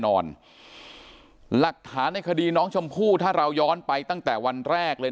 หลักฐานในคดีน้องชมพู่ถ้าเราย้อนไปตั้งแต่วันแรกเลย